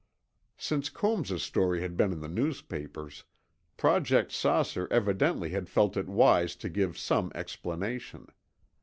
Since Combs's story had been in the newspapers, Project "Saucer" evidently had felt in wise to give some explanation.